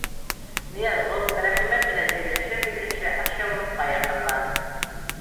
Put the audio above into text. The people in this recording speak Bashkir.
Ныязғол, Рәхимә менән һөйләшә-һөйләшә, ашъяулыҡҡа яҡынланы.